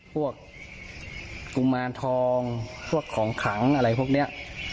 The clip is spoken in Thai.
พวกกุมารทองพวกของขังอะไรพวกนี้